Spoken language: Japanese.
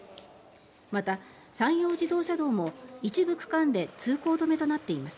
また山陽自動車道も一部区間で通行止めとなっています。